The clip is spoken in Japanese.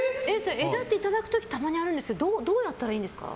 枝っていただく時たまにあるんですけどどうやったらいいんですか？